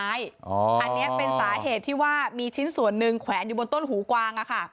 อันนี้เป็นสาเหตุที่ว่ามีชิ้นส่วนหนึ่งแขวนอยู่บนต้นหูกวาง